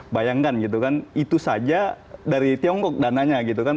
bayangkan gitu kan itu saja dari tiongkok dananya gitu kan